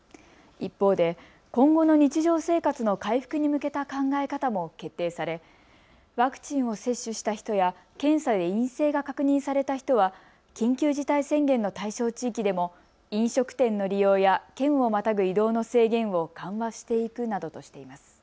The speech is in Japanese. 一方で今後の日常生活の回復に向けた考え方も決定されワクチンを接種した人や検査で陰性が確認された人は緊急事態宣言の対象地域でも飲食店の利用や県をまたぐ移動の制限を緩和していくなどとしています。